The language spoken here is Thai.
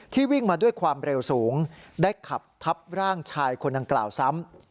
วิ่งมาด้วยความเร็วสูงได้ขับทับร่างชายคนดังกล่าวซ้ำ